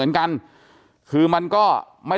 เฮ้ยเฮ้ยเฮ้ยเฮ้ยเฮ้ยเฮ้ย